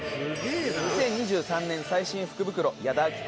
２０２３年最新福袋矢田亜希子